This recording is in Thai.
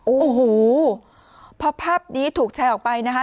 โอ้โหพอภาพนี้ถูกแชร์ออกไปนะคะ